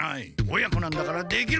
親子なんだからできる！